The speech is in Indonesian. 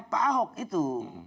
pak ahok itu